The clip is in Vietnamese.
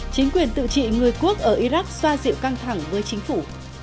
chính quyền tự trị người quốc ở iraq xoa dịu căng thẳng với chính phủ